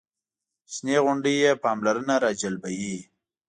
شنې غونډۍ یې پاملرنه راجلبوي.